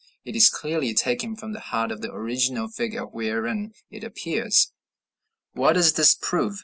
It is clearly taken from the heart of the original figure wherein it appears. What does this prove?